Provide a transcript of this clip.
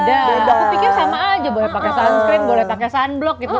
aku pikir sama aja boleh pakai sunscreen boleh pakai sunblock gitu